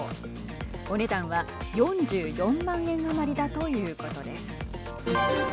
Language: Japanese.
お値段は４４万円余りだということです。